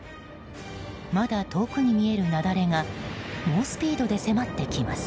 まだ遠くに見える雪崩が猛スピードで迫ってきます。